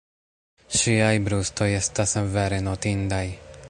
Ŝiaj brustoj estas vere notindaj.